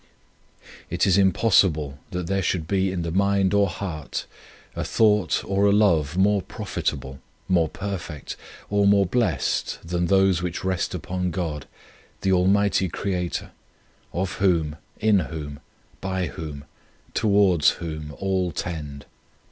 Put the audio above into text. It is impossible that there should be in the mind or heart a thought or a love more profitable, more perfect or more blessed than those which rest upon God, the Almighty Creator, of Whom, in Whom, by Whom, towards Whom all tend.